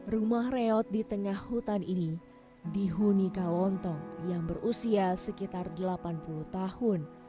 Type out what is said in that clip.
rumah reot di tengah hutan ini dihuni kawontong yang berusia sekitar delapan puluh tahun